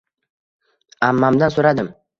ammamdan so’radim: